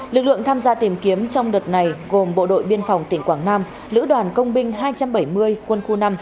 lực lượng tham gia tìm kiếm trong đợt này gồm bộ đội biên phòng tỉnh quảng nam lữ đoàn công binh hai trăm bảy mươi quân khu năm